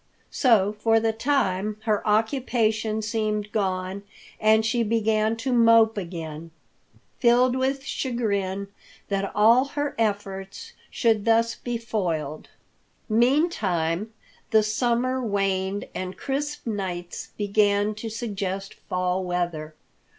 So for the time her occupation seemed gone, and she began to mope again, filled with chagrin that all her efforts should thus be foiled. Meantime the summer waned and crisp nights began to suggest fall weather.